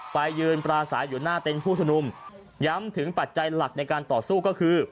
ไปยืนปราศัยอยู่หน้าเต็นต์ผู้ชมนุมย้ำถึงปัจจัยหลักในการต่อสู้ก็คือ